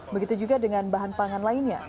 begitu juga dengan bahan pangan lainnya